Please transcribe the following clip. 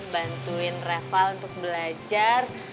bantuin reva untuk belajar